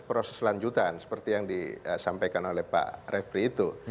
proses lanjutan seperti yang disampaikan oleh pak refri itu